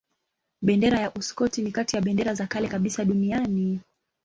Bendera ya Uskoti ni kati ya bendera za kale kabisa duniani.